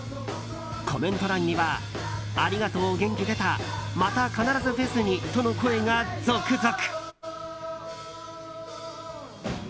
コメント欄にはありがとう、元気出たまた必ずフェスに！との声が続々。